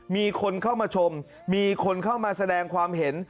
มีคนเข้ามาชมมีคนเข้ามาแสดงความเห็น